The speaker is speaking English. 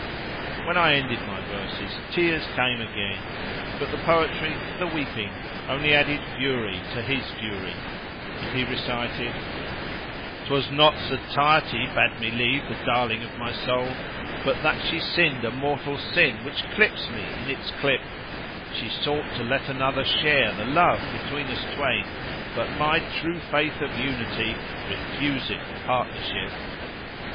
When I ended my verses tears came again; but the poetry and the weeping only added fury to his fury, and he recited:— "'Twas not satiety bade me leave the dearling of my soul, * But that she sinned a mortal sin which clipt me in its clip: She sought to let another share the love between us twain, * But my True Faith of Unity refuseth partnership."